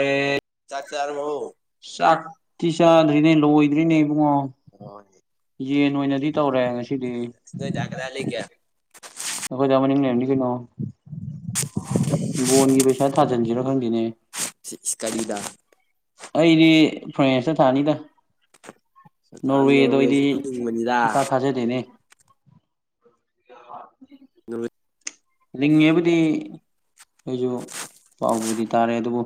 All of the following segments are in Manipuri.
ꯑꯦ ꯆꯥꯛ ꯆꯥꯔꯕꯣ ꯆꯥꯛꯇꯤ ꯆꯥꯗ꯭ꯔꯤꯅꯦ ꯂꯣꯏꯗ꯭ꯔꯤꯅꯦ ꯏꯕꯨꯡꯉꯣ [unintelligible] ꯌꯦꯟ ꯑꯣꯏꯅꯗꯤ ꯇꯧꯔꯦ ꯉꯁꯤꯗꯤ ꯏꯁ ꯅꯣꯏ ꯗꯥ ꯀꯗꯥꯏ ꯂꯩꯒꯦ ꯑꯈꯣꯏꯗꯥ ꯃꯅꯤꯡ ꯂꯩꯔꯝꯅꯤ ꯀꯩꯅꯣ ꯕꯣꯟꯒꯤ ꯄꯩꯁꯥ ꯊꯥꯖꯤꯟꯖꯤꯔ ꯈꯪꯗꯦꯅꯦ ꯀꯔꯤꯗꯣ ꯑꯩꯗꯤ ꯐ꯭ꯔꯦꯟꯁꯇ ꯊꯥꯅꯤꯗ ꯅꯣꯔꯋꯦꯗꯣ ꯑꯩꯗꯤ ꯅꯣꯔꯋꯦꯁꯨ ꯇꯨꯝꯅꯤꯡꯕꯅꯤꯗ ꯏꯊꯥ ꯊꯥꯖꯗꯦꯅꯦ [unintelligible] [unintelligible] ꯂꯤꯡꯉꯦꯕꯨꯗꯤ ꯑꯩꯖꯨ ꯄꯥꯎꯕꯨꯗꯤ ꯇꯥꯔꯦ ꯑꯗꯨꯕꯨ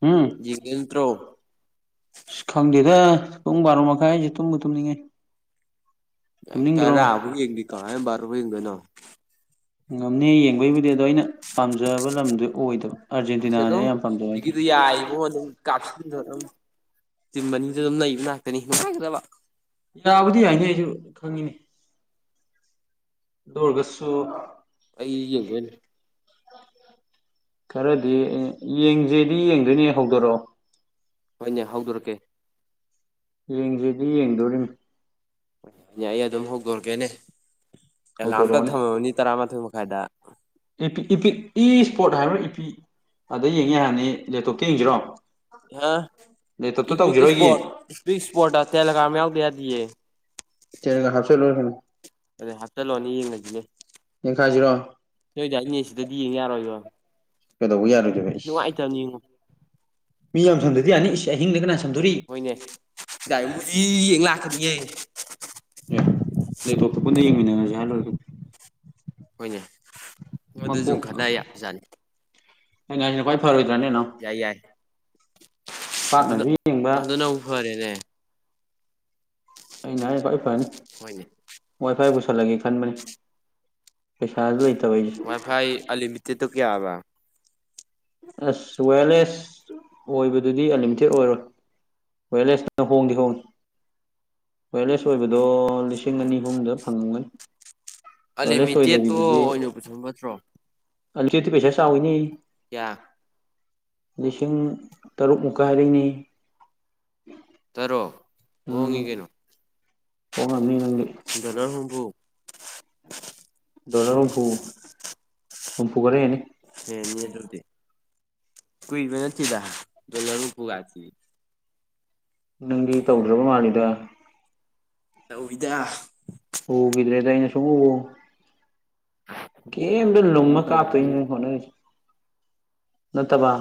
ꯍꯨꯡ ꯌꯦꯡꯇ꯭ꯔꯣ ꯏꯁ ꯈꯪꯗꯦꯗ ꯄꯨꯡ ꯕꯥꯔꯣ ꯃꯈꯥꯏ ꯍꯥꯏꯖꯦ ꯇꯨꯝꯕꯨ ꯇꯨꯝꯅꯤꯡꯉꯦ ꯀꯥꯏ ꯇꯨꯝꯅꯤꯡꯗ꯭ꯔꯣ ꯇꯔꯥꯕꯥꯎ ꯌꯦꯡꯗꯦ ꯀꯃꯥꯏꯅ ꯕꯥꯔꯣꯕꯥꯎ ꯌꯦꯡꯗꯣꯏꯅꯣ ꯉꯝꯅꯤ ꯌꯦꯡꯕꯩꯕꯨꯗꯤ ꯑꯗꯣ ꯑꯩꯅ ꯄꯥꯝꯖꯕ ꯂꯝꯗꯨ ꯑꯣꯏꯗꯕ ꯑꯥꯔꯖꯦꯟꯇꯤꯅꯥꯅꯦ ꯑꯩ ꯌꯥꯝ ꯄꯥꯝꯖꯩ ꯍꯥꯏꯗꯣ ꯏꯕꯨꯡꯉꯣ ꯑꯗꯨꯝ ꯀꯥꯞꯁꯤꯟꯒ꯭ꯔꯗꯧꯅꯤ ꯇꯤꯝ ꯑꯅꯤꯖꯦ ꯑꯗꯨꯝ ꯅꯩꯕ ꯉꯥꯛꯇꯅꯤ ꯅꯨꯡꯉꯥꯏꯒꯗꯕ ꯌꯥꯕꯨꯗꯤ ꯌꯥꯏꯅꯦ ꯑꯩꯖꯨ ꯈꯪꯉꯤꯅꯦ ꯑꯗꯨ ꯑꯣꯔꯒꯁꯨ ꯑꯩ ꯌꯦꯡꯗꯣꯏꯅꯦ ꯈꯔꯗꯤ ꯏ ꯌꯦꯡꯖꯦꯗꯤ ꯌꯦꯡꯗꯣꯏꯅꯦ ꯍꯧꯗꯣꯔꯛꯑꯣ ꯍꯣꯏꯅꯦ ꯍꯧꯗꯣꯔꯛꯀꯦ ꯌꯦꯡꯖꯦꯗꯤ ꯌꯦꯡꯗꯣꯔꯤꯝꯅꯤ ꯌꯥꯏꯌꯦ ꯑꯗꯨꯝ ꯍꯧꯗꯣꯔꯛꯀꯦꯅꯦ ꯑꯦꯂꯥꯝ ꯇꯛ ꯍꯧꯗꯣꯔꯛꯑꯣꯅꯦ ꯊꯝꯃꯝꯃꯅꯤ ꯇꯔꯥ ꯃꯥꯥꯊꯣꯏ ꯃꯈꯥꯏꯗ ꯏꯄꯤꯛ ꯏꯄꯤꯛ ꯏ ꯁ꯭ꯄꯣꯔꯠ ꯍꯥꯏꯕ꯭ꯔꯥ ꯏꯄꯤꯛ ꯑꯗ ꯌꯦꯡ ꯌꯥꯔꯝꯅꯤ ꯂꯦꯞꯇꯣꯞꯇ ꯌꯦꯡꯖꯤꯔꯣ [unintelligible] ꯏꯄꯤꯛ ꯑꯩꯒꯤ ꯁ꯭ꯄꯣꯔꯠ ꯏꯁꯄꯤꯛ ꯁ꯭ꯄꯣꯔꯠꯇ ꯇꯦꯂꯒ꯭ꯔꯥꯝ ꯌꯥꯎꯗ ꯌꯥꯗꯤꯌꯦ ꯇꯦꯂꯒ꯭ꯔꯥꯝ ꯍꯥꯞꯆꯜꯂꯣꯏꯔꯦ ꯀꯩꯅꯣ ꯑꯗꯨꯗꯤ ꯍꯥꯞꯆꯜꯂꯣꯅꯦ ꯌꯦꯡꯉꯖꯤꯅꯦ ꯌꯦꯡꯈꯥꯏꯖꯤꯔꯣ ꯅꯣꯏꯗꯥꯏ ꯅꯦꯠ ꯁꯤꯗꯗꯤ ꯌꯦꯡ ꯌꯥꯔꯣꯏꯌꯣ ꯀꯩꯗꯧꯕ ꯌꯥꯔꯣꯏꯗꯣꯏꯕ ꯏꯁ ꯅꯨꯡꯉꯥꯏꯇꯕꯅꯤꯉꯣ ꯃꯤ ꯌꯥꯝ ꯁꯝꯗ꯭ꯔꯗꯤ ꯌꯥꯅꯤ ꯏꯁ ꯑꯍꯤꯡꯗ ꯀꯅꯥ ꯁꯝꯗꯣꯔꯤ ꯍꯣꯏꯅꯦ ꯗꯥꯏꯃꯨꯖꯤ ꯌꯦꯡ ꯂꯥꯛꯀꯅꯤꯌꯦ ꯑꯦ ꯂꯦꯞꯇꯣꯞꯇ ꯄꯨꯟꯅ ꯌꯦꯡꯃꯤꯟꯅꯔꯖꯤ ꯍꯥꯏꯔ ꯂꯣꯏꯔꯦ ꯀꯩꯅꯣ ꯍꯣꯏꯅꯦ ꯑꯗꯨ ꯁꯨꯝ ꯃꯀꯣꯛ ꯉꯥꯎ ꯈꯟꯅ ꯌꯥꯕꯖꯥꯠꯅꯤ ꯑꯩꯅ ꯍꯥꯏꯖꯤꯅ ꯈ꯭ꯋꯥꯏ ꯐꯔꯣꯏꯗ꯭ꯔꯅꯦ ꯅꯥꯎ ꯌꯥꯏ ꯌꯥꯏ ꯑꯗꯨꯗꯣ ꯄꯥꯛꯅꯁꯨ ꯌꯦꯡꯕ ꯑꯗꯨꯅꯕꯨ ꯐꯔꯦꯅꯦ ꯑꯩꯅ ꯍꯥꯏꯅ ꯈ꯭ꯋꯥꯏ ꯐꯅꯤ ꯍꯣꯏꯅꯦ ꯋꯥꯏ ꯐꯥꯏ ꯄꯨꯁꯜꯂꯒꯦ ꯈꯟꯕꯅꯦ ꯄꯩꯁꯥꯁꯨ ꯂꯩꯠ ꯋꯥꯏ ꯐꯥꯏ ꯑꯜꯂꯤꯃꯤꯇꯦꯠꯇꯨ ꯀꯌꯥꯕ ꯑꯁ ꯋꯦꯌꯔꯂꯦꯁ ꯑꯣꯏꯕꯗꯨꯗꯤ ꯑꯟꯂꯤꯃꯤꯇꯦꯠ ꯑꯣꯏꯔꯣꯏ ꯋꯦꯔꯂꯦꯁꯅ ꯍꯣꯡꯗꯤ ꯍꯣꯡꯉꯤ ꯋꯦꯌꯔꯂꯦꯁ ꯑꯣꯏꯕꯗꯣ ꯂꯤꯁꯤꯡ ꯑꯅꯤ ꯑꯍꯨꯝꯗ ꯐꯪꯉꯝꯒꯅꯤ ꯋꯦꯌꯔꯂꯦꯁ ꯑꯜꯂꯤꯃꯤꯇꯦꯠꯇꯣ ꯑꯣꯏꯅ ꯄꯨꯁꯤꯟꯕꯅ ꯐꯠꯇ꯭ꯔꯣ ꯑꯜꯂꯤꯃꯤꯇꯦꯠꯇꯤ ꯄꯩꯁꯥ ꯆꯥꯎꯏꯅꯦ ꯀꯌꯥ ꯂꯤꯁꯤꯡ ꯇꯔꯨꯛꯃꯨꯛꯀ ꯍꯥꯏꯔꯛꯏꯅꯦ ꯇꯔꯨꯛ ꯍꯣꯡꯉꯤ ꯎꯝ ꯀꯩꯅꯣ ꯍꯣꯡꯉꯝꯅꯤ ꯅꯪꯗꯤ ꯗꯣꯂꯔ ꯍꯨꯝꯐꯨ ꯗꯣꯂꯔ ꯍꯨꯝꯐꯨ ꯍꯨꯝꯐꯨ ꯈꯔ ꯍꯦꯟꯅꯤ ꯍꯦꯟꯅꯤ ꯑꯗꯨꯕꯨꯗꯤ ꯀꯨꯏꯕ ꯅꯠꯇꯦꯗ ꯗꯣꯂꯔ ꯍꯨꯝꯐꯨꯒꯁꯤꯗꯤ ꯅꯪꯗꯤ ꯇꯧꯗ꯭ꯔꯕ ꯃꯥꯜꯂꯤꯗ ꯇꯧꯋꯤꯗ ꯎꯈꯤꯗ꯭ꯔꯦꯗ ꯑꯩꯅ ꯁꯨꯡꯎꯕꯨ ꯒꯦꯝꯗ ꯌꯨꯝꯗ ꯂꯨꯝꯃ ꯀꯥꯞꯇꯣꯏꯅꯦ ꯇꯧꯕꯒꯤ ꯅꯪ ꯍꯣꯠꯅꯔꯤꯁꯦ ꯅꯠꯇꯕ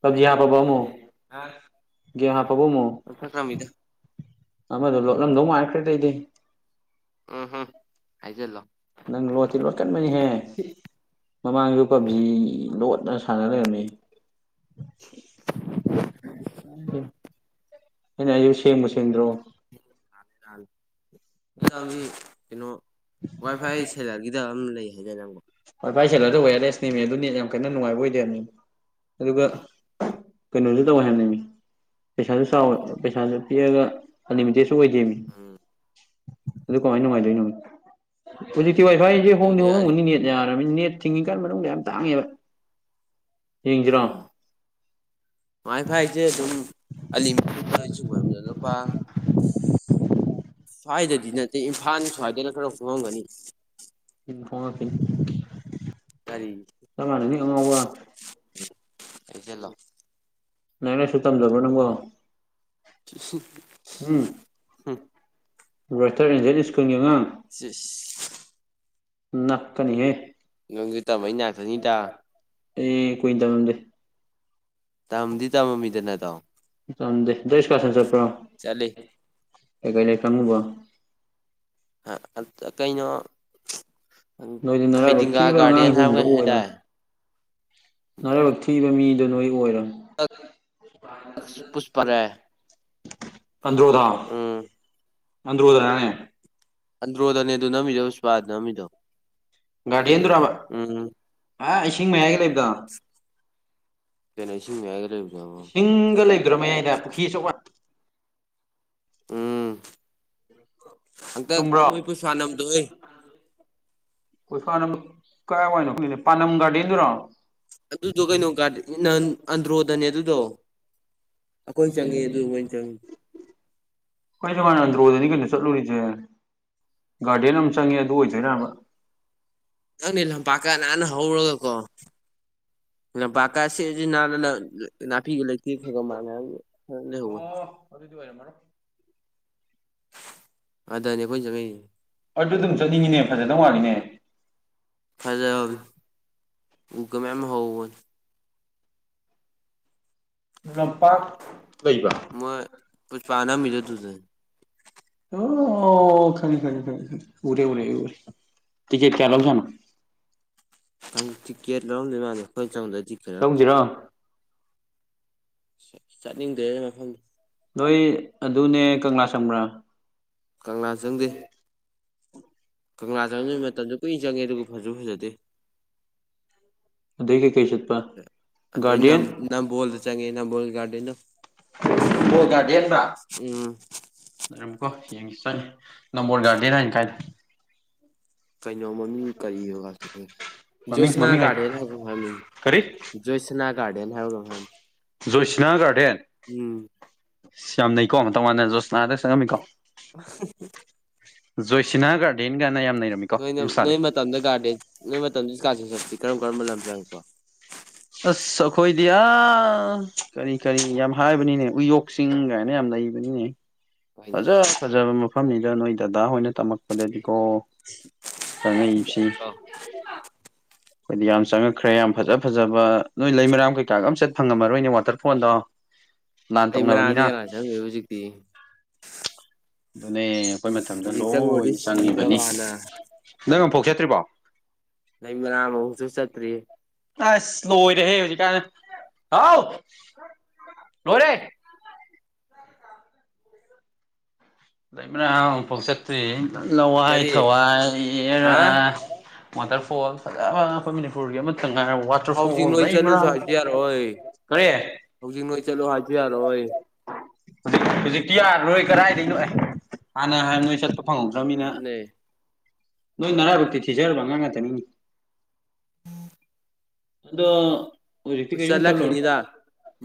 ꯄꯕꯖꯤ ꯍꯥꯞꯄꯕ ꯑꯃꯨꯛ ꯒꯦꯝ ꯍꯥꯞꯄꯕ ꯑꯃꯨꯛ ꯂꯧꯊꯈ꯭ꯔꯃꯤꯗ ꯑꯃꯗꯣ ꯂꯣꯠꯂꯝꯗꯧ ꯃꯥꯟꯈ꯭ꯔꯦꯗ ꯑꯩꯗꯤ ꯎꯝ ꯍꯨꯝ ꯍꯥꯏꯖꯜꯂꯣ ꯅꯪ ꯂꯣꯠꯇꯤ ꯂꯣꯠꯀꯟꯕꯅꯤꯍꯦ ꯃꯃꯥꯡꯁꯨ ꯄꯞꯖꯤ ꯂꯣꯠꯅ ꯁꯥꯟꯅ ꯂꯩꯔꯝꯃꯤ [unintelligible] ꯑꯩꯅ ꯍꯥꯏꯁꯦ ꯁꯦꯡꯕꯨ ꯁꯦꯡꯗ꯭ꯔꯣ [unintelligible] ꯀꯩꯅꯣ ꯋꯥꯏ ꯐꯥꯏ ꯐꯦꯂꯔꯒꯤꯗ ꯑꯃ ꯂꯩ ꯍꯥꯏꯗꯥꯏꯅꯦ ꯅꯪꯕꯣ ꯋꯥꯏ ꯐꯥꯏ ꯁꯦꯜꯂꯔꯗꯣ ꯋꯥꯌꯔꯂꯦꯁꯅꯦꯃꯦ ꯑꯗꯨ ꯅꯦꯠ ꯌꯥꯝ ꯀꯟꯅ ꯅꯨꯡꯉꯥꯏꯕ ꯑꯣꯏꯗꯦ ꯍꯥꯏꯕꯅꯤ ꯑꯗꯨꯒ ꯀꯩꯅꯣꯁꯨ ꯇꯧꯋꯦ ꯍꯥꯏꯕꯅꯦꯃꯤ ꯄꯩꯁꯥꯁꯨ ꯆꯥꯎ ꯄꯩꯁꯥꯁꯨ ꯄꯤꯛꯑꯒ ꯑꯟꯂꯤꯃꯤꯇꯦꯠꯁꯨ ꯑꯣꯏꯗꯦꯝꯃꯤ ꯎꯝ ꯑꯗꯨ ꯀꯃꯥꯏ ꯅꯨꯡꯉꯥꯏꯗꯣꯏꯅꯣꯃꯤ ꯍꯧꯖꯤꯛꯇꯤ ꯋꯥꯏ ꯐꯥꯏꯒꯤ ꯍꯣꯡꯗꯤ ꯑꯗꯨꯗꯤ ꯍꯣꯡꯉꯝꯒꯅꯤ ꯅꯦꯠ ꯌꯥꯔꯕꯅꯤ ꯅꯦꯠ ꯊꯤꯡꯉꯤꯀꯥꯟ ꯃꯅꯨꯡꯗꯤ ꯌꯥꯝ ꯇꯥꯡꯉꯦꯕ ꯌꯦꯡꯁꯤꯔꯣ ꯎꯝ ꯋꯥꯏ ꯐꯥꯏꯁꯦ ꯑꯗꯨꯝ ꯑꯜꯂꯤꯃꯤꯇꯦꯠ [unintelligible] ꯂꯨꯄꯥ ꯁ꯭ꯋꯥꯏꯗꯗꯤ ꯅꯠꯇꯦ ꯏꯝꯐꯥꯜ ꯁ꯭ꯋꯥꯏꯗꯅ ꯈꯔ ꯍꯣꯡꯉꯝꯒꯅꯤ ꯎꯝ ꯍꯣꯡꯉꯛꯈꯤꯅꯤ ꯀꯔꯤ ꯆꯞ ꯃꯥꯟꯅꯅꯤ ꯑꯉꯥꯎꯕ ꯍꯥꯏꯖꯜꯂꯣ ꯂꯥꯏꯔꯤꯛ ꯂꯥꯏꯁꯨ ꯇꯝꯗꯕꯔꯣ ꯅꯪꯕꯣ [unintelligible] ꯎꯝ ꯔꯣꯏꯇꯔ ꯑꯦꯟꯖꯦꯟꯠ ꯁ꯭ꯀꯨꯜꯒꯤ ꯑꯉꯥꯡ ꯆꯤꯁ ꯅꯞꯀꯅꯤꯍꯦ ꯅꯪꯖꯖ ꯇꯝꯃꯛꯏ ꯉꯥꯛꯇꯅꯤꯗ ꯑꯦ ꯀꯨꯏꯅ ꯇꯝꯂꯝꯗꯦ ꯇꯝꯗꯤ ꯇꯝꯃꯝꯃꯤꯗꯅ ꯇꯥꯗꯣ ꯇꯝꯗꯦ ꯍꯟꯗꯛ ꯑꯦꯁꯀꯔꯁꯟ ꯆꯠꯄ꯭ꯔꯣ ꯆꯠꯂꯤ ꯀꯩ ꯀꯩ ꯂꯩꯀꯣꯜ ꯆꯡꯉꯨꯕꯥ ꯀꯩꯅꯣ ꯅꯣꯏꯗꯤ ꯅꯔꯥꯏꯕꯛ ꯐꯩꯗꯤꯡꯒꯥ ꯊꯤꯕ ꯒꯥꯔꯗꯦꯟ ꯍꯥꯏꯕꯥꯔ ꯀꯩꯅꯣꯝ ꯍꯥꯏꯗꯥꯏ ꯅꯥꯔꯣꯜ ꯊꯤꯕ ꯃꯤꯗꯣ ꯅꯣꯏ ꯑꯣꯏꯔꯣ ꯄꯨꯁꯄꯔꯦ ꯑꯟꯗ꯭ꯔꯣꯗ ꯎꯝ ꯑꯟꯗ꯭ꯔꯣꯗꯅꯦ ꯑꯟꯗ꯭ꯔꯣꯗꯅꯦ ꯑꯗꯨ ꯅꯝꯃꯤꯗꯣ ꯏꯁꯄꯥꯗ ꯅꯝꯃꯤꯗꯣ ꯒꯥꯔꯗꯦꯟꯗꯨꯔꯕ ꯎꯝ ꯑꯥ ꯏꯁꯤꯡ ꯃꯌꯥꯏꯒ ꯂꯩꯕꯗꯨ ꯀꯩꯅꯣ ꯏꯁꯤꯡ ꯃꯌꯥꯏꯒꯥ ꯂꯩꯕꯥꯗꯨ ꯏꯁꯤꯡꯒ ꯂꯩꯇꯔꯣ ꯃꯌꯥꯏꯗ ꯄꯨꯈꯔ꯭ꯤ ꯑꯆꯧꯕ ꯎꯝ ꯍꯟꯇꯛ ꯆꯨꯝꯕ꯭ꯔꯣ ꯃꯣꯏ ꯄꯨꯁꯄꯥ ꯅꯝꯗꯣꯍꯦ ꯄꯨꯁꯄꯥꯅꯥ ꯅꯝꯕꯗꯣ ꯀꯔꯥꯏꯋꯥꯏꯅꯣ ꯎꯠꯂꯤꯗꯣ ꯄꯥꯟꯅꯝ ꯒꯥꯔꯗꯦꯟꯗꯨꯔꯣ ꯑꯗꯨꯗꯣ ꯀꯩꯅꯣ ꯒꯔꯗꯦꯟꯅꯤ ꯅꯍꯥꯟ ꯑꯟꯗ꯭ꯔꯣꯗꯅꯦ ꯑꯗꯨꯗꯣ ꯑꯩꯈꯣꯏ ꯆꯪꯉꯤ ꯑꯗꯨ ꯃꯣꯏ ꯆꯪꯉꯤ ꯑꯩꯈꯣꯏ ꯅꯍꯥꯟ ꯑꯟꯗ꯭ꯔꯣꯗꯅꯤ ꯀꯩꯅꯣ ꯆꯠꯂꯨꯔꯤꯁꯦ ꯒꯥꯔꯗꯦꯟ ꯑꯃ ꯆꯪꯉꯦ ꯑꯗꯨ ꯑꯣꯏꯗꯣꯏꯔꯕ ꯈꯪꯗꯦ ꯂꯝꯄꯥꯛꯀꯥ ꯅꯥꯟ ꯍꯧꯔꯒꯀꯣ ꯂꯝꯄꯛꯀꯥ ꯁꯤꯔꯤ ꯁꯤꯔꯤ ꯅꯥꯜꯂꯒ ꯅꯥꯄꯤꯒ ꯂꯩꯇꯦꯡ ꯈꯔ ꯈꯔꯒ ꯃꯥꯥꯟꯅꯔꯥ ꯂꯩꯍꯧꯅꯤ ꯑꯗꯨ ꯑꯣꯏꯔꯝꯃꯅꯤ ꯑꯗꯅꯦ ꯑꯩꯈꯣꯏ ꯆꯪꯉꯛꯏꯁꯤ ꯑꯗꯨ ꯗꯨꯝ ꯆꯠꯅꯤꯡꯉꯤꯅꯦ ꯐꯖꯗꯧ ꯃꯜꯂꯤꯅꯦ ꯐꯖꯕꯅꯤ ꯎ ꯒꯥ ꯃꯌꯥꯝ ꯍꯧꯍꯧꯕꯅꯤ ꯂꯝꯄꯥꯛ ꯂꯩꯕꯥꯔ ꯃꯣꯏ ꯄꯨꯁꯄꯥ ꯅꯝꯃꯤꯗꯣ ꯑꯗꯨꯗꯒꯤ ꯑꯣ ꯈꯪꯉꯦ ꯈꯪꯉꯦ ꯈꯪꯉꯦ ꯈꯪꯉꯦ ꯎꯔꯦ ꯎꯔꯦ ꯑꯩ ꯎꯔꯦ ꯇꯤꯀꯦꯠ ꯀꯌꯥ ꯂꯧꯖꯠꯅꯣ ꯇꯤꯀꯦꯠ ꯂꯧꯔꯝꯗꯣꯏ ꯃꯥꯟꯗꯦ ꯑꯩꯈꯣꯏꯅꯥ ꯆꯪꯕꯗꯣ ꯇꯤꯀꯦꯠ ꯂꯧꯔꯛꯇꯦ ꯆꯧꯁꯤꯔꯣ ꯆꯠꯅꯤꯡꯗꯦ ꯃꯐꯝꯗꯣ ꯅꯣꯏ ꯑꯗꯨꯅꯦ ꯀꯪꯂꯥ ꯆꯪꯕ꯭ꯔꯥ ꯀꯪꯂꯥ ꯆꯪꯗꯦ ꯀꯪꯂꯥ ꯆꯪꯗꯣꯏ ꯃꯇꯝꯁꯨ ꯀꯨꯏꯅ ꯆꯪꯉꯦ ꯑꯗꯨꯒ ꯐꯖꯁꯨ ꯐꯖꯗꯦ ꯑꯗꯩ ꯀꯩꯀꯩ ꯆꯠꯄ ꯑꯗꯩ ꯒꯥꯔꯗꯦꯟ ꯅꯝ ꯅꯝꯕꫭꯜꯗ ꯆꯪꯉꯦ ꯅꯝꯕꫭꯜꯒꯤ ꯒꯥꯔꯗꯦꯟꯗꫭ ꯅꯝꯕꯣꯜ ꯒꯔꯗꯦꯟꯕ ꯂꯩꯔꯝꯃꯤꯀꯣ ꯌꯦꯡꯁꯤ ꯆꯠꯅꯤ ꯅꯝꯕꯣꯜ ꯒꯥꯔꯗꯦꯟ ꯍꯥꯏꯅ ꯀꯥꯏꯗ ꯀꯩꯅꯣ ꯃꯃꯤꯡ ꯀꯔꯤ ꯋꯥꯔꯗꯅꯦꯕꯥ ꯃꯃꯤꯡ ꯖꯣꯏꯁꯅꯥ ꯃꯃꯤꯡ ꯍꯥꯏ ꯒꯥꯔꯗꯦꯟ ꯍꯥꯏꯕꯔ ꯀꯩꯅꯣꯝ ꯍꯥꯏꯕꯅꯤ ꯀꯔꯤ ꯖꯣꯏꯁꯥꯅꯥ ꯒꯔꯗꯦꯟ ꯍꯥꯏꯕꯔꯥ ꯀꯩꯅꯣꯝ ꯍꯥꯌꯕꯅꯤ ꯖꯣꯏꯁꯅꯥ ꯒꯥꯔꯗꯦꯟ ꯏꯁ ꯌꯥꯝꯅꯩꯀꯣ ꯃꯇꯧ ꯃꯥꯟꯗꯅ ꯖꯣꯏꯁꯅꯥꯗ ꯆꯪꯉꯝꯃꯤꯀꯣ [inaudible] ꯖꯣꯏꯁꯥꯅꯥ ꯒꯥꯔꯗꯦꯟꯒꯥꯏꯅꯥ ꯌꯥꯝꯅ ꯅꯩꯔꯝꯃꯦ ꯅꯣꯏꯅ ꯅꯣꯏ ꯃꯇꯝꯗ ꯒꯥꯔꯗꯦꯟ ꯅꯣꯏ ꯃꯇꯝꯗ ꯑꯦꯁꯀ꯭ꯔꯁꯟ ꯆꯠꯄꯗꯤ ꯀꯔꯝ ꯀꯔꯝꯕ ꯂꯝ ꯆꯪꯉꯛꯄ ꯑꯁ ꯑꯩꯈꯣꯏꯗꯤ ꯑ ꯀꯔꯤ ꯀꯔꯤ ꯌꯥꯝ ꯍꯥꯏꯕꯅꯤꯅꯦ ꯎꯏꯌꯣꯛ ꯆꯤꯡ ꯀꯥꯏꯅ ꯌꯥꯝ ꯂꯩꯕꯅꯤꯅꯦ ꯍꯣꯏꯅꯦ ꯐꯖ ꯐꯖꯕ ꯃꯐꯝꯅꯤꯗ ꯅꯣꯏ ꯗꯥꯗꯥ ꯍꯣꯏꯅ ꯇꯝꯃꯛꯄꯗꯗꯤꯀꯣ ꯆꯪꯉꯛꯏꯕꯁꯤ ꯌꯥꯏꯀꯣ ꯑꯩꯈꯣꯏꯗꯤ ꯌꯥꯝ ꯆꯪꯉꯛꯈ꯭ꯔꯦ ꯌꯥꯝ ꯐꯖ ꯐꯖꯕ ꯅꯣꯏ ꯂꯩꯃꯔꯥꯝ ꯀꯩꯀꯥꯒ ꯑꯝ ꯆꯠ ꯐꯪꯉꯝꯃꯔꯣꯏꯅꯦ ꯋꯥꯇꯔꯐꯣꯟꯗꯣ [inaudible] ꯂꯩꯃꯔꯥꯝꯗꯤ ꯀꯅꯥꯟ ꯆꯪꯗ‌ꯣꯏꯕ ꯍꯧꯖꯤꯛꯇꯤ ꯑꯗꯨꯅꯦ ꯑꯩꯈꯣꯏ ꯃꯇꯝꯗ ꯍꯧꯖꯤꯛ ꯆꯪꯉꯨꯔꯗꯤ ꯂꯣꯏꯅ ꯆꯪꯉꯤꯕꯅꯤ ꯁꯤꯗꯕ ꯍꯥꯟꯅ ꯅꯪ ꯑꯝꯐꯥꯎ ꯆꯠꯇ꯭ꯔꯤꯕꯣ ꯂꯩꯃꯔꯥꯝ ꯑꯃꯨꯛꯇ ꯆꯠꯇ꯭ꯔꯤ ꯑꯁ ꯂꯣꯏꯔꯦꯍ‌ꯦ ꯍꯧꯖꯤꯛꯀꯥꯟ [unintelligible] ꯍꯥꯎ [unintelligible] ꯂ‌ꯣꯏꯔꯦ ꯂꯩꯃꯔꯥꯝ ꯑꯃꯨꯐꯧ ꯆꯠꯇ꯭ꯔꯤꯑꯦ ꯂꯋꯥꯏ ꯀꯔꯤ ꯊꯋꯥꯏ ꯌ‌ꯦꯔꯥ ꯍꯥ ꯋꯥꯇꯔꯐꯣꯜ ꯐꯖꯔꯕ ꯑꯉꯛꯄ ꯃꯅꯤꯄꯨꯔꯒꯤ ꯑꯃꯠꯇ ꯉꯥꯏꯔꯕ ꯍꯧꯖꯤꯛ ꯋꯥꯇꯔꯐꯣꯜ ꯅꯣꯏ ꯆꯠꯂꯨꯁꯨ ꯂꯩꯃꯔꯥꯝ [unintelligible] ꯍꯥꯏꯁꯨ ꯌꯥꯔꯛꯑꯣꯏ ꯀꯔꯤ [unintelligible] ꯍꯧꯖꯤꯛ ꯅꯣꯏ ꯆꯠꯂꯨ ꯍꯥꯏꯁꯨ ꯌꯥꯔꯛꯑꯣꯏ ꯍꯧꯖꯤꯛ ꯍꯧꯖꯤꯛꯇꯤ ꯌꯥꯔꯔꯣꯏ ꯀꯗꯥꯏꯗꯩꯅꯣ ꯑꯦ ꯍꯥꯟꯅ ꯍꯥꯟ ꯅꯣꯏ ꯆꯠꯄ ꯐꯪꯍꯧꯗ꯭ꯔꯕꯅꯤꯅ ꯑꯗꯨꯅꯦ ꯅꯣꯏ ꯅꯔꯥꯏꯕꯛꯇꯤ ꯊꯤꯖꯔꯕ ꯑꯉꯥꯡ ꯉꯥꯛꯇꯅꯤꯅ‌ꯦ ꯑꯗꯣ ꯍꯧꯖꯤꯛꯇꯤ ꯀꯩꯁꯨꯝ ꯈꯜꯂꯨꯅꯨ ꯆꯠꯂꯛꯈꯤꯅꯤꯗ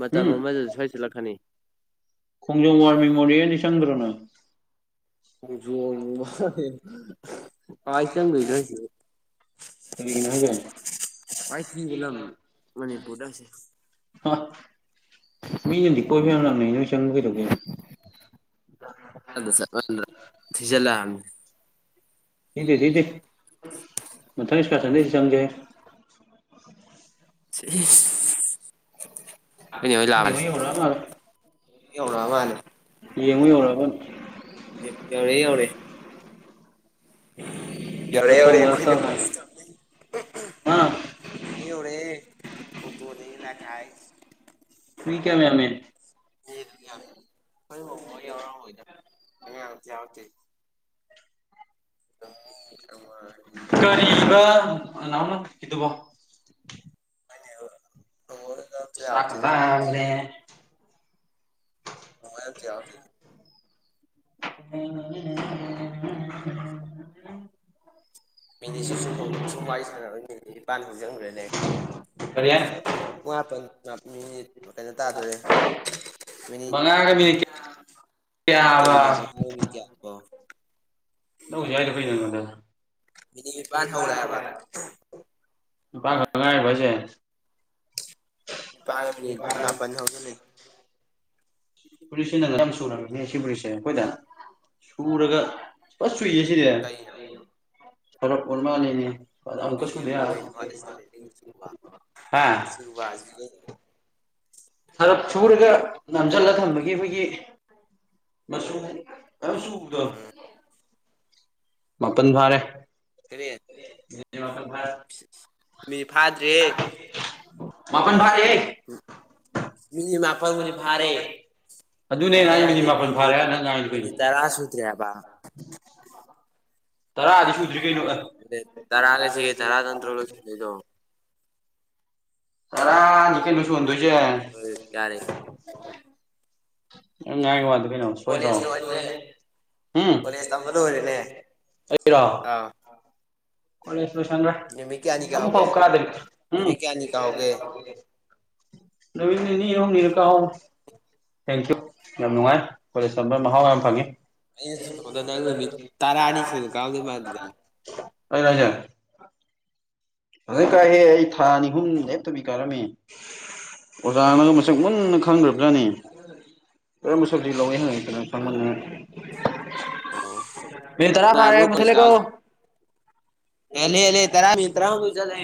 ꯃꯇꯝ ꯎꯝ ꯑꯃꯗ ꯁ‌ꯣꯏ ꯆꯠꯂꯛꯀꯅꯤ ꯈꯣꯡꯖꯣꯝ ꯋꯥꯔ ꯃꯦꯃꯣꯔꯤꯌꯦꯜꯗꯤ ꯆꯪꯗ꯭ꯔ‌ꯣ ꯅ‌ꯣꯏ ꯈ‌ꯣꯡꯖꯣꯝ ꯋꯥꯔ [unintelligible] ꯀꯃꯥꯏ ꯆꯪꯗꯣꯏꯅ‌ꯣ [unintelligible] ꯕꯨ ꯀꯔꯤꯒꯤꯅꯣ ꯍꯥꯏꯁꯦ ꯈ꯭ꯋꯥꯏ ꯊꯤꯕ ꯂꯝ ꯃꯅꯤꯄꯨꯔꯗ ꯑꯁꯦ ꯍꯥ ꯃꯤꯅꯗꯤ ꯀꯣꯏꯕ ꯌꯥꯝ ꯂꯥꯛꯅꯩ ꯅꯣꯏ ꯆꯪꯕ ꯀꯩꯗꯧꯒꯦ ꯑꯗ ꯆꯠꯃꯟꯗꯅ ꯊꯤꯖꯜꯂꯑꯝ ꯊꯤꯗꯦ ꯊꯤꯗ‌ꯦ ꯃꯊꯪ ꯏꯁꯀꯥꯔꯁꯟꯗ ꯁꯤ ꯆꯪꯒ‌ꯦ ꯏꯁ ꯈ‌ꯣꯏ ꯅ‌ꯦ ꯍ‌ꯣꯏ ꯅꯣꯏ ꯅꯦ ꯂꯥꯛꯑꯝ ꯍꯣꯏ ꯌꯧꯔꯛꯑ ꯃꯥꯜꯂꯦ [unintelligible] [unintelligible] ꯌꯦꯡꯉꯨ ꯌꯧꯔꯑꯕꯟ ꯑꯦ ꯌꯧꯔꯑꯦ ꯌꯧꯔ‌ꯦ ꯌꯧꯔꯑꯦ ꯋꯦꯜꯀꯝ ꯌꯧꯔꯑꯦ ꯈꯣꯏꯅꯦ ꯍ‌ꯣꯏ [unintelligible] ꯑꯥ [unintelligible] ꯌꯧꯔꯦ ꯑꯣꯇ‌ꯦꯅ‌ꯦ ꯂꯛꯈꯥꯏꯁ ꯃꯤ ꯀꯌꯥꯝ ꯌꯥꯝꯃ‌ꯦ [unintelligible] ꯈ‌ꯣꯏ ꯃꯥꯃ‌ꯣ ꯍ‌ꯣꯏ ꯌꯥꯎꯔꯑꯝꯃ‌ꯣꯏꯗ ꯑꯉꯥꯡ ꯑꯝꯇ ꯌꯧꯔꯛꯇ‌ꯦ [unintelligible] ꯀꯔꯤꯕ ꯅꯅꯥꯎ ꯅꯪ ꯍꯧꯖꯤꯛꯀꯤꯗꯨꯕꯣ [unintelligible] ꯆꯥꯛ ꯌꯥꯎꯔꯛꯇꯦꯗ ꯂꯥꯝꯃ‌ꯦ [unintelligible] ꯑꯝꯗ ꯌꯧꯔꯛꯇ‌ꯦ [unintelligible] ꯃꯤꯅꯤꯠꯁꯨ ꯁꯨꯝ ꯁꯨꯝ ꯋꯥꯔꯤ ꯁꯥꯟꯅꯔꯣꯏ ꯃꯤꯅꯤꯠ ꯅꯤꯄꯥꯟ ꯍꯧꯖꯤꯟꯈ꯭ꯔ‌ꯦꯅꯦ ꯀꯔꯤ ꯍꯥꯏꯅꯣ [unintelligible] ꯃꯉꯥꯇꯪ ꯑꯥ [unintelligible] ꯃꯤꯅꯤꯠ ꯀꯩꯅꯣ ꯇꯥꯗꯣꯔꯦ ꯃꯤꯅꯤꯠ ꯃꯉꯥꯒ ꯃꯤꯅꯤꯠ ꯀꯌꯥꯕ ꯀꯩꯅꯣ ꯃꯉꯥ ꯃꯤꯅꯤꯠ ꯀꯌꯥꯅ‌ꯣ ꯅꯧ ꯍꯧꯖꯤꯛ ꯍꯥꯏꯗ‌ꯣ ꯀꯩꯩꯅ‌ꯣ ꯑꯩꯉꯣꯟꯗ ꯃꯤꯅꯤ ꯅꯤꯄꯥꯟ ꯍꯧꯔ‌ꯦ ꯍꯥꯏꯕ ꯅꯤꯄꯥꯟ ꯈꯇ ꯉꯥꯏꯔꯤꯕ‌ꯣ ꯖ‌ꯦ ꯅꯤꯄꯥꯟꯒ ꯃꯤꯅꯤꯠ ꯃꯄꯥꯟ ꯍꯧꯖꯤꯜꯂꯤ ꯐꯨꯔꯤꯠꯁꯤꯅ ꯂꯝ ꯁꯨꯔꯝꯅꯤꯅ‌ꯦ ꯁꯤ ꯐꯨꯔꯤꯠꯁꯦ ꯑꯩꯈꯣꯏꯗ ꯁꯨꯔꯒ ꯐꯅ ꯆꯨꯏꯌꯦ ꯁꯤꯗꯤ ꯀꯩꯅꯣ [unintelligible] ꯑꯣꯔꯃꯥꯥꯜꯂ‌ꯦꯅꯦ ꯆꯨꯏꯌ‌ꯦꯕꯨ ꯀꯩꯅ‌ꯣ ꯋꯥꯠ ꯏꯁ ꯗꯥ ꯃꯤꯅꯤꯡ ꯑꯣꯐ ꯍꯥ ꯆꯨꯕꯥ ꯍꯥꯏꯁꯤ ꯀꯩꯅ‌ꯣ ꯁꯔꯞ ꯁꯨꯔꯒ ꯅꯝꯁꯜꯂ ꯊꯝꯕꯒꯤ ꯑꯩꯈꯣꯏꯒꯤ ꯃꯆꯨ ꯈꯔ ꯆꯨꯕꯗꫭ ꯃꯥꯄꯟ ꯐꯥꯔꯦ ꯀꯔꯤ ꯃꯤꯅꯤꯠ ꯐꯥꯗ꯭ꯔꯤ ꯃꯥꯄꯟ ꯐꯥꯔꯦꯍꯦ ꯃꯤꯅꯤꯠ ꯃꯥꯄꯟꯕꯨꯗꯤ ꯐꯥꯔꯦ ꯑꯗꯨꯅꯦ ꯅ ꯑꯩ ꯍꯥꯏ ꯍꯥꯏꯗꯤ ꯃꯥꯄꯜ ꯐꯥꯔꯦ ꯃꯤꯅꯤꯠ ꯅꯪ ꯉꯥꯏꯗꯣ ꯀꯩꯅꯣ ꯃꯤꯅꯤꯠ ꯇꯔꯥ ꯁꯨꯗ꯭ꯔꯤ ꯍꯥꯏꯕ ꯇꯔꯥꯗꯤ ꯁꯨꯗ꯭ꯔꯤ ꯀꯩꯅꯣ ꯃꯤꯅꯤꯠ ꯇꯔꯥꯒ ꯑꯦ ꯁꯤꯒ ꯇꯔꯥ ꯅꯠꯇ꯭ꯔꯣ ꯂꯣꯏꯁꯤꯟꯗꯣꯏꯗꯣ ꯇꯔꯥ ꯅꯤꯀꯩꯅꫭ ꯁꯨꯍꯟꯗꯨꯏꯁꯦ ꯍꯣꯏ ꯌꯥꯔꯦ ꯅꯪ ꯉꯥꯡꯉꯥ ꯋꯥꯗꫭ ꯀꯩꯅꯣ ꯁꯣꯏꯗ꯭ꯔꯣ ꯀꯣꯂꯦꯖ ꯂꯣꯏꯔꯦ ꯎꯝ ꯀꯣꯂꯦꯖ ꯇꯝꯕ ꯂꯣꯏꯔꯦꯅꯦ ꯑꯩꯔꫭ ꯑꯥ ꯀꯣꯂꯦꯖ ꯁꯂꫭꯏꯁꯟꯒ꯭ꯔꯦ ꯅꯨꯃꯤꯠ ꯀꯌꯥꯅꯤ ꯑꯃꯨꯛ ꯐꯥꯎ ꯀꯥꯍꯧꯒꯦ ꯀꯥꯗꯦ ꯅꯨꯃꯤꯠ ꯀꯌꯥꯅꯤ ꯀꯥꯍꯧꯒꯦ ꯅꯨꯃꯤꯠ ꯅꯤꯅꯤꯔ ꯍꯨꯝꯅꯤꯔ ꯀꯥꯍꯧꯋꯤ ꯊꯦꯡꯀ꯭ꯌꯨ ꯌꯥꯝ ꯅꯨꯡꯉꯥꯏ ꯀꯣꯂꯦꯖ ꯇꯝꯕ ꯃꯍꯥꯎ ꯃꯌꯥꯝ ꯐꯪꯉꯤ ꯑꯩ ꯁꯨꯝ ꯈꯟꯕꯗ ꯅꯪ ꯅꯨꯃꯤꯠ ꯇꯔꯥꯅꯤ ꯁꯨꯅ ꯀꯥꯔꯝꯗꯣꯏ ꯃꯥꯟꯗꯤꯗ ꯑꯩꯔꯥ ꯍꯣꯏꯖꯦ ꯐꯖꯅ ꯀꯥꯏꯍꯦ ꯑꯩ ꯊꯥ ꯑꯅꯤ ꯍꯨꯝ ꯂꯦꯞꯇꯕꯤ ꯀꯥꯔꯝꯃꯤ ꯑꯣꯖꯥꯅꯒ ꯃꯁꯛ ꯃꯨꯟꯅ ꯈꯪꯗ꯭ꯔꯕꯖꯥꯠꯅꯤ ꯀꯔꯝꯕ ꯁꯕꯖꯦꯛ ꯂꯧꯏꯅ ꯍꯪꯉꯛꯏꯗꯅꯣ ꯑꯥ ꯈꯪꯃꯟꯗꯅ ꯑꯣ ꯃꯤꯅꯤꯠ ꯇꯔꯥ ꯐꯥꯔꯦ ꯅꯨꯡꯉꯥꯏꯕ꯭ꯔꯣ ꯃꯨꯊꯠꯂꯦꯀꯣ ꯍꯦꯜꯂꯦ ꯍꯦꯜꯂꯦ ꯇꯔꯥ ꯃꯤꯅꯤꯠ ꯇꯔꯥꯃꯥꯊꫭꯏ ꯆꯠꯂꯦ